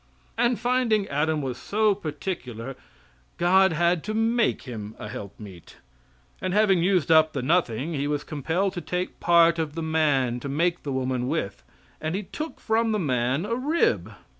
And finding Adam was so particular, God had to make him a helpmeet, and having used up the nothing, he was compelled to take part of the man to make the woman with, and he took from the man a rib.